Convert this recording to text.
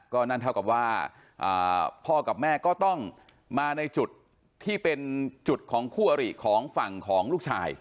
ก็นั่นเท่ากับว่าพ่อกับแม่ก็ต้องมาในจุดที่เป็นจุดของคู่อริของฝั่งของลูกชาย